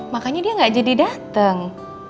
makanya dia gak jadi datang